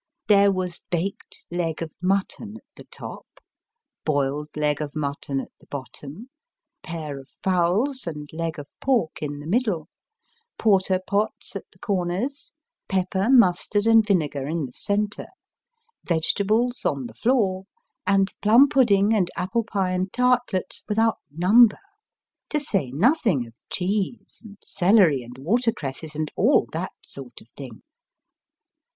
There was baked leg of mutton at the top, boiled leg of mutton at the bottom, pair of fowls and leg of pork in the middle ; porter pots at the corners ; pepper, mustard, and vinegar in the centre ; vegetables on the floor ; and plum pudding and apple pie and tartlets without number : to say nothing of cheese, and celery, and water cresses, and all that sort of thing.